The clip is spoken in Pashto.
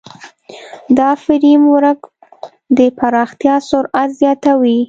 دا فریم ورک د پراختیا سرعت زیاتوي.